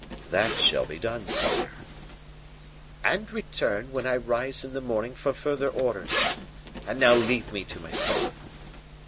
"That shall be done, sire." "And return, when I rise in the morning, for further orders; and now leave me to myself."